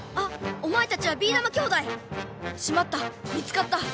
おまえたちはビーだま兄弟！しまった見つかった！